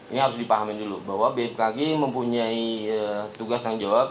ini harus dipahami dulu bahwa bmkg mempunyai tugas yang jawab